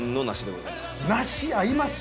合います？